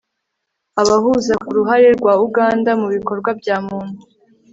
abahuza ku ruhare rwa uganda mu bikorwa bya umuntu